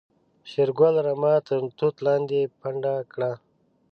شېرګل رمه تر توت لاندې پنډه کړه.